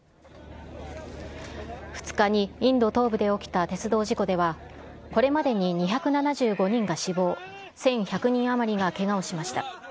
２日にインド東部で起きた鉄道事故では、これまでに２７５人が死亡１１００人余りがけがをしました。